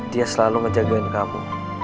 dia selalu ngejagain kamu